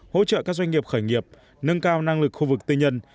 hỗ trợ các doanh nghiệp khởi nghiệp nâng cao năng lực khu vực tư nhân